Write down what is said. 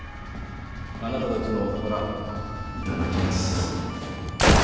あなたたちのお宝頂きます。